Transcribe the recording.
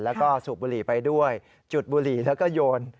แล้วก็สูบบุหรี่ไปด้วยจุดบุหรี่แล้วก็โยน